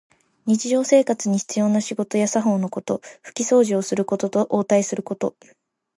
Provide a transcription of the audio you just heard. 日常生活に必要な仕事や作法のこと。ふきそうじをすることと、応対すること。